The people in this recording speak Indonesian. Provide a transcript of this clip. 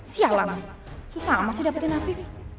sialan susah amat sih dapetin apik